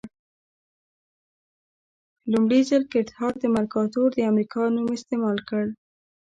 لومړي ځل ګردهارد مرکاتور د امریکا نوم استعمال کړ.